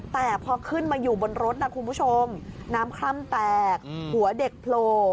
แต่พอขึ้นมาอยู่บนรถนะคุณผู้ชมน้ำคล่ำแตกหัวเด็กโผล่